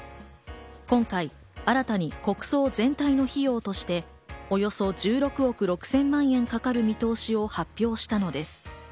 今回、新たに国葬全体の費用としておよそ１６億６０００万円かかる見通しを発表したのです。